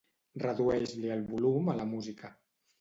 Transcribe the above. Redueix-li el volum a la música.